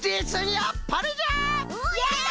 やった！